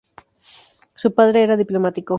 Su padre era diplomático.